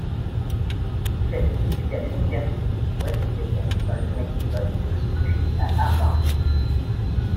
Il fait ses études à l'université Wesleyan dans le Connecticut puis à Harvard.